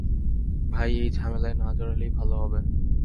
ভাই, এই ঝামেলায় না জড়ালেই ভালো হবে।